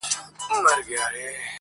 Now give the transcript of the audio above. تر يوې خرما دوې اوڅکي ښې دي.